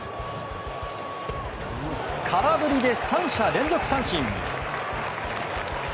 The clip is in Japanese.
空振りで３者連続三振！